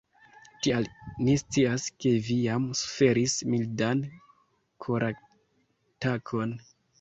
Tial ni scias ke vi jam suferis mildan koratakon.